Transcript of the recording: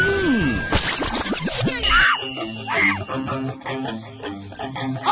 ก้าวเกอร์เซปล่อยชู้ตู้เจ้าของเรา